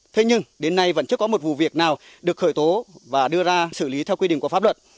thế nhưng đến nay vẫn chưa có một vụ việc nào được khởi tố và đưa ra xử lý theo quy định của pháp luật